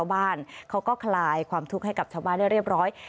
แล้วก็คลายความทุกข์ให้กับชาวบ้านเรียบร้อย